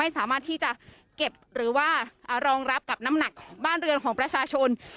สามารถที่จะเก็บหรือว่ารองรับกับน้ำหนักบ้านเรือนของประชาชน